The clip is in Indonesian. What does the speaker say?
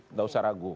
tidak usah ragu